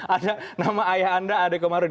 ada nama ayah anda ade komarudin